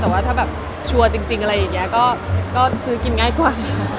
แต่ว่าถ้าแบบชัวร์จริงอะไรอย่างนี้ก็ซื้อกินง่ายกว่า